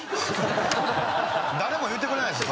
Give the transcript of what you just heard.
誰も言うてくれないです